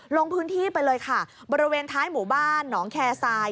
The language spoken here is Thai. ลงพื้นที่ไปเลยค่ะบริเวณท้ายหมู่บ้านหนองแคร์ทราย